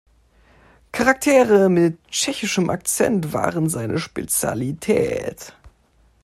Charaktere mit tschechischem Akzent waren seine Spezialität.